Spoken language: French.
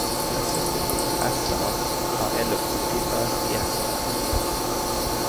La société Aztar en est le propriétaire et actionnaire.